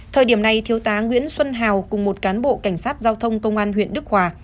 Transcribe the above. thời điểm này thiếu tá nguyễn xuân hào cùng một cán bộ cảnh sát giao thông công an huyện đức hòa